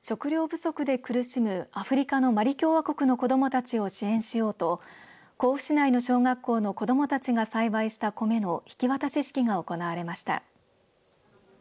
食糧不足で苦しむアフリカのマリ共和国の子どもたちを支援しようと甲府市内の小学校の子どもたちが栽培した米の引き渡し式が行われました。